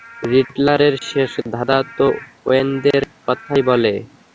রিডলারের শেষ ধাঁধা তো ওয়েনদের কথাই বলে।